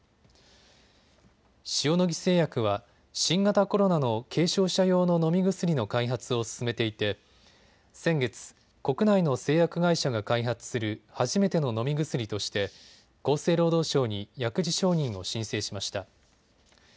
塩野義製薬は新型コロナの軽症者用の飲み薬の開発を進めていて先月、国内の製薬会社が開発する初めての飲み薬として厚生労働省に薬事承認を申請しました。